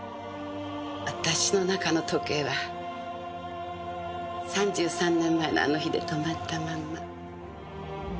あたしの中の時計は３３年前のあの日で止まったまんま。